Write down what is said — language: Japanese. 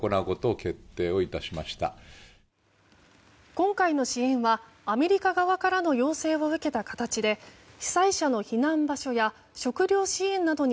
今回の支援はアメリカ側からの要請を受けた形で被災者の避難場所や食料支援などに